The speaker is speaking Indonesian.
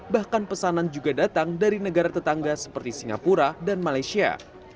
bahkan pesanan juga datang dari negara tetangga seperti singapura dan malaysia